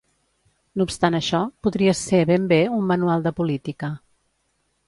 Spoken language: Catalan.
No obstant això, podria ser ben bé un manual de política.